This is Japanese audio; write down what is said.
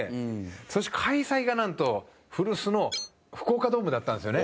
そして開催が、なんと、古巣の福岡ドームだったんですよね。